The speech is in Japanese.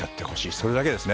それだけですね。